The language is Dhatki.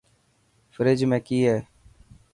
فريج ۾ ڪئي هي.